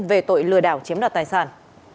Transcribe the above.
về tội lừa đảo chiếm đoạt tài sản